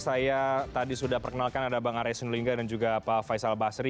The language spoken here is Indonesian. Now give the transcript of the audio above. saya tadi sudah perkenalkan ada bang arya sinulinga dan juga pak faisal basri